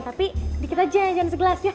tapi sedikit aja jangan segelas ya